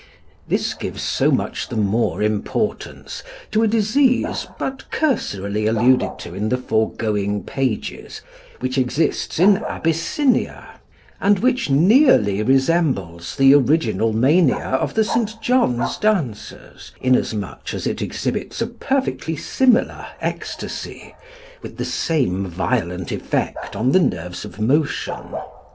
This gives so much the more importance to a disease but cursorily alluded to in the foregoing pages, which exists in Abyssinia, and which nearly resembles the original mania of the St. John's dancers, inasmuch as it exhibits a perfectly similar ecstasy, with the same violent effect on the nerves of motion.